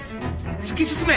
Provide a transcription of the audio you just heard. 「突き進め！